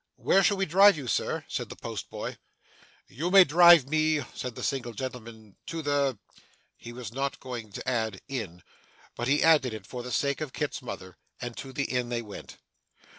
'Where shall we drive you, sir?' said the post boy. 'You may drive me,' said the single gentleman, 'to the ' He was not going to add 'inn,' but he added it for the sake of Kit's mother; and to the inn they went.